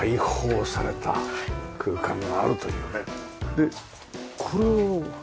でこれは？